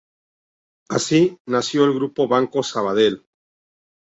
Así, nació el grupo Banco Sabadell.